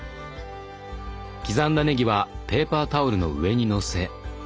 刻んだねぎはペーパータオルの上にのせ。